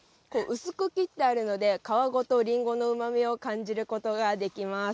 薄く切ってあるので皮ごとりんごのうまみを感じることができます。